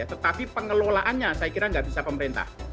tetapi pengelolaannya saya kira nggak bisa pemerintah